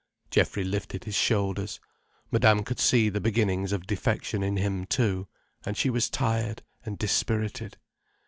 Geoffrey lifted his shoulders. Madame could see the beginnings of defection in him too. And she was tired and dispirited.